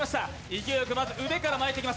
勢いよくまず腕から巻いていきます。